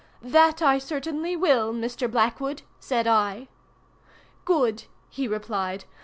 "That I certainly will, Mr. Blackwood," said I. "Good!" he replied.